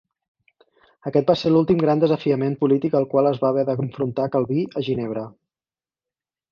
Aquest va ser l'últim gran desafiament polític al qual es va haver d'enfrontar Calví a Ginebra.